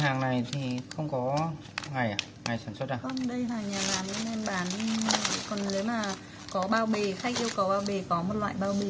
nhà làm nên bán còn nếu mà có bao bì khách yêu cầu bao bì có một loại bao bì